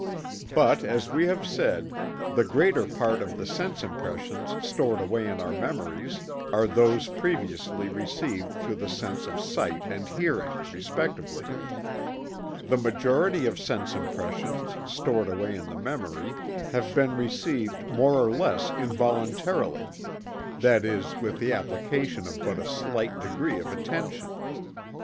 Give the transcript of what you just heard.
But, as we have said, the greater part of the sense impressions stored away in our memories are those previously received through the senses of sight and hearing, respectively. The majority of sense impressions, stored away in the memory, have been received more or less involuntarily, that is with the application of but a slight degree of attention.